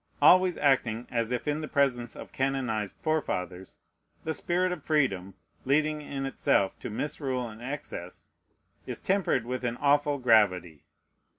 Always acting as if in the presence of canonized forefathers, the spirit of freedom, leading in itself to misrule and excess, is tempered with an awful gravity.